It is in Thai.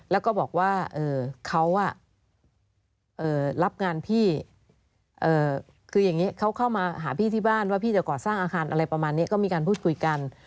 แล้วก็บอกว่าเขารับงานพี่คืออย่างนี้เขาเข้ามาหาพี่ที่บ้านว่าพี่จะก่อสร้างอาคารอะไรประมาณนี้ก็มีการพูดคุยกัน